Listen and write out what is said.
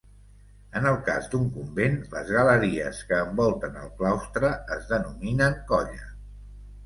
En el cas d'un convent, les galeries que envolten el claustre es denominen colla.